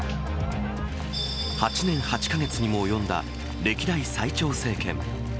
８年８か月にも及んだ歴代最長政権。